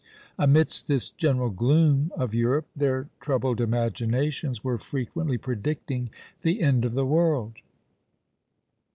Amidst this general gloom of Europe, their troubled imaginations were frequently predicting the end of the world.